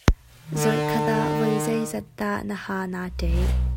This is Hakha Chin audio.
Zarhkhat ah voi zeizat dah na haa naa ṭeih?